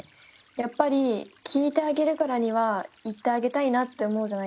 やっぱり聞いてあげるからには言ってあげたいなって思うじゃないですか。